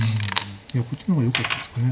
いやこっちの方がよかったですかね。